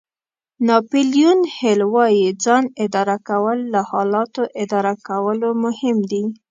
ناپیلیون هېل وایي ځان اداره کول له حالاتو اداره کولو مهم دي.